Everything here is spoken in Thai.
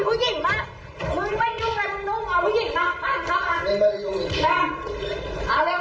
แสภาพมันมา